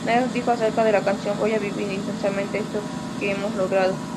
Newman dijo acerca de la canción: "Voy a vivir intensamente esto que hemos logrado.